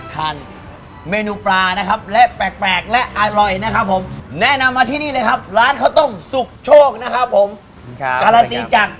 เกือบเข้าไปบ้างนะครับ